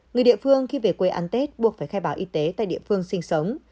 người địa phương khi về quê ăn tết buộc phải khai báo y tế tại địa phương sinh sống